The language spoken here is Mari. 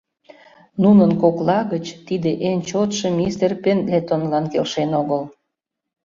Нунын кокла гыч тиде эн чотшо мистер Пендлетонлан келшен огыл.